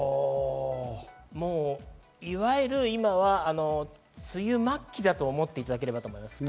いわゆる今は梅雨末期だと思っていただければと思います。